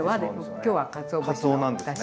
今日はかつお節のだし。